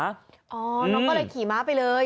น้องก็เลยขี่ม้าไปเลย